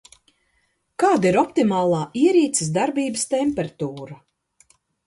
Kāda ir optimālā ierīces darbības temperatūra?